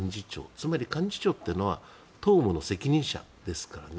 つまり、幹事長というのは党務の責任者ですからね。